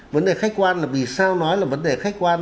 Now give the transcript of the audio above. vấn đề khách quan là vì sao nói là vấn đề khách quan